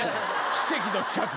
奇跡の企画。